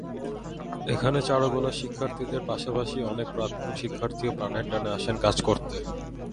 এখানে চারুকলার শিক্ষার্থীদের পাশাপাশি অনেক প্রাক্তন শিক্ষার্থীও প্রাণের টানে আসেন কাজ করতে।